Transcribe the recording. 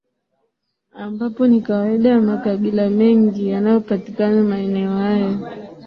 ambapo ni kawaida ya makabila mengi yanayopatikana maeneo haya